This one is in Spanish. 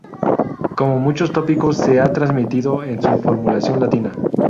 Como muchos tópicos, se ha transmitido en su formulación latina.